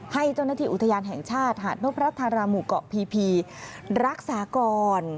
ให้เจ้าหน้าที่อุทยานแห่งชาติหาดนพพระธาราหมู่เกาะพีรักษาก่อน